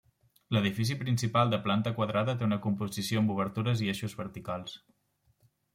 L'edifici principal, de planta quadrada té una composició amb obertures i eixos verticals.